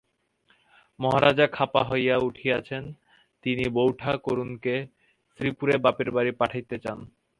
মহারাজা খাপা হইয়া উঠিয়াছেন, তিনি বৌঠাকরুণকে শ্রীপুরে বাপের বাড়ি পাঠাইতে চান।